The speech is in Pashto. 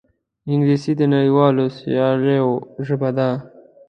انګلیسي د نړیوالو سیالیو ژبه ده